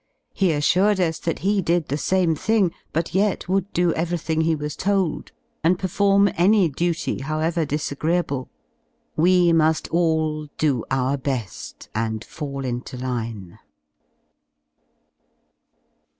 He assured us that he did the same thing, but yet would do everything he was told, and perform any duty however disagreeable; we muft all dolt out be^ and fall into line.